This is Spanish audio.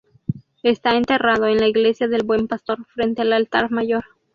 Está enterrado en la Iglesia del Buen Pastor, frente al altar mayor.